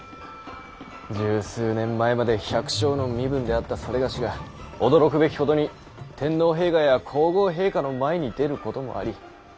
十数年前まで百姓の身分であった某が驚くべきことに天皇陛下や皇后陛下の前に出ることもあり。